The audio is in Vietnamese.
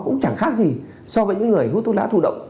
cũng chẳng khác gì so với những người hút thuốc lá thủ động